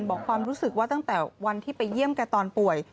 บอกความรู้สึกว่าตั้งแต่วันที่ไปเยี่ยมแกตอนป่วย